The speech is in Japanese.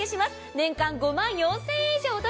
年間５万４０００円以上お得。